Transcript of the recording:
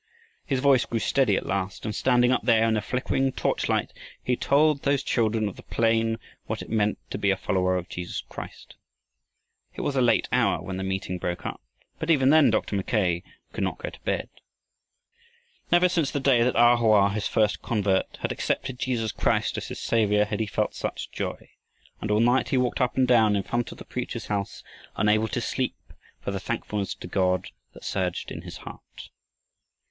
His voice grew steady at last, and standing up there in the flickering torchlight he told those children of the plain what it meant to be a follower of Jesus Christ. It was a late hour when the meeting broke up, but even then Dr. Mackay could not go to bed. Never since the day that A Hoa, his first convert, had accepted Jesus Christ as his Savior, had he felt such joy, and all night he walked up and down in front of the preacher's house, unable to sleep for the thankfulness to God that surged in his heart.